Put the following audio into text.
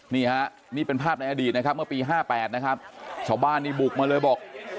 นี่ฮะนี่เป็นภาพในอดีตนะครับเมื่อปี๕๘นะครับชาวบ้านนี่บุกมาเลยบอก